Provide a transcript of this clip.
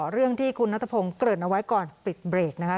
เรื่องที่คุณนัทพงศ์เกริ่นเอาไว้ก่อนปิดเบรกนะคะ